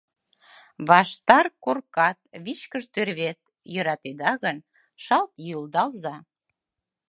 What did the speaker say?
Ваштар коркат, вичкыж тӱрвет, Йӧратеда гын, шалт йӱылдалза!